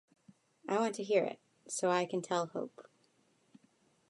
I want to hear it, so I can tell Hope.